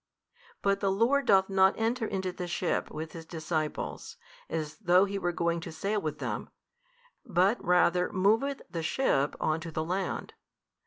But the Lord doth not enter into the ship with His disciples, as though He were going to sail with them, but rather moveth the ship on to the land.